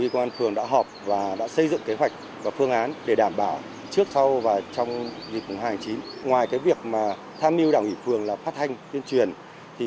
công an quyền tổ chức kịp thời xong mình và lập hồ sơ để xử lý